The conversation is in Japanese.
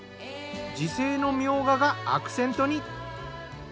自生のみょうががアクセントに。